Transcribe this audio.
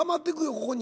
ここに。